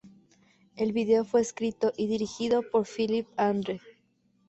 El vídeo fue escrito y dirigido por Philippe Andre.